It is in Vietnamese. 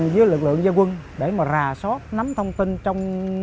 dưới lực lượng dân quân để mà rà sót nắm thông tin trong